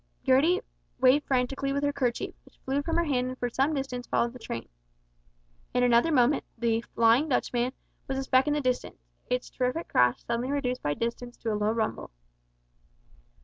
Gertie waved frantically with her kerchief, which flew from her hand and for some distance followed the train. In another moment the "Flying Dutchman" was a speck in the distance its terrific crash suddenly reduced by distance to a low rumble.